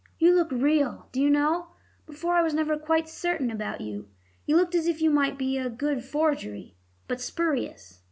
You look real, do you know; before I was never quite certain about you. You looked as if you might be a good forgery, but spurious.